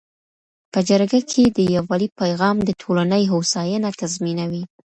په جرګه کي د یووالي پیغام د ټولنې هوساینه تضمینوي.